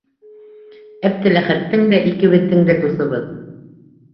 Әптеләхәттең дә... икебеҙҙең дә дуҫыбыҙ...